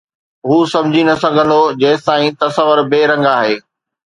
هو سمجھي نه سگھندو جيستائين تصور بي رنگ آهي